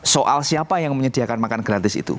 soal siapa yang menyediakan makan gratis itu